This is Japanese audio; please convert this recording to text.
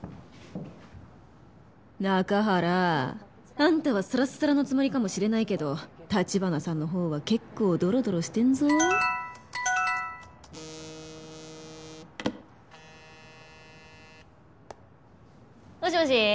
あんたはサラッサラのつもりかもしれないけど城華さんのほうは結構ドロドロしてんぞもしもし？